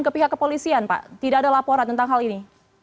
kepolisian pak tidak ada laporan tentang hal ini